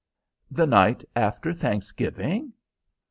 "The night after Thanksgiving."